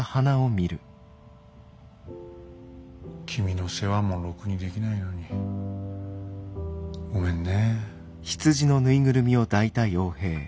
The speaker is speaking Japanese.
君の世話もろくにできないのにごめんね。